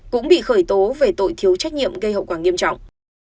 cũng bị khởi tố về tội thiếu trách nhiệm gây hậu quả nghiêm trọng